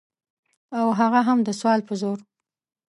او هغه هم د سوال په زور.